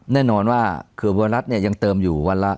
แน่นอนว่าเขื่อบัวรัฐเนี่ยยังเติมอยู่วันละ